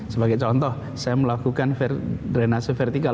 sebagai contoh saya melakukan drenase vertikal